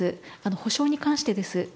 補償に関してです。